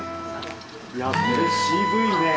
いやこれ渋いね。